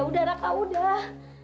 udah raka udah